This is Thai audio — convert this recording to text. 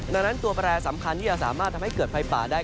ดังนั้นตัวแปรสำคัญที่จะสามารถทำให้เกิดไฟป่าได้